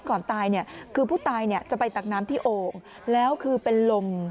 ก่อนตายเนี่ยคือผู้ตายเนี่ยจะไปตักน้ำที่โอ่งแล้วคือเป็นลม